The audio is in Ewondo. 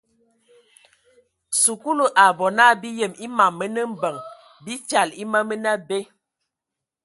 Sikulu a bɔ na bi yem a mam mənə mbəŋ bi fyal e ma mənə abe.